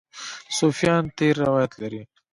صوفیان تېر روایت لري.